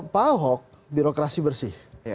pahok birokrasi bersih